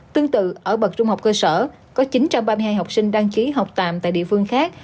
tương tự ở bậc trung học cơ sở có chín trăm ba mươi hai học sinh đăng ký học tạm tại địa phương khác